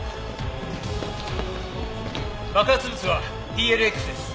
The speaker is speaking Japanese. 爆発物はＰＬＸです！